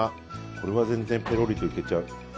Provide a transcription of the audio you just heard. これは全然ペロリといけちゃう。